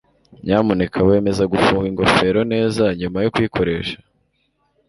nyamuneka wemeze gufunga ingofero neza nyuma yo kuyikoresha